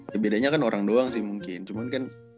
kebedaannya kan orang doang sih mungkin cuman kan